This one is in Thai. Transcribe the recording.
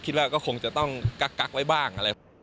คิดว่าก็คงจะต้องกักไว้บ้างอะไร